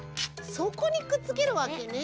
そこにくっつけるわけね。